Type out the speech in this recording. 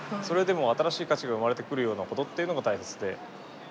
それでも新しい価値が生まれてくるようなことっていうのが大切で。